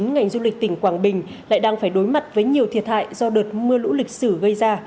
ngành du lịch tỉnh quảng bình lại đang phải đối mặt với nhiều thiệt hại do đợt mưa lũ lịch sử gây ra